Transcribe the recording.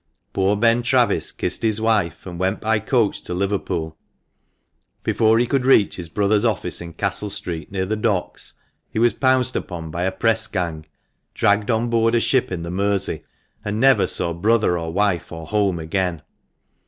Poor Ben Travis kissed his wife, and went by coach to Liverpool. Before he could reach his brother's office in Castle Street, near the docks, he was pounced upon by a pressgang, dragged on board a ship in the Mersey, and never saw brother, or wife, or home again.